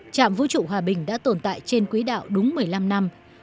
trạm vũ trụ hòa bình đã tồn tại trên quỹ đạo đúng một mươi năm năm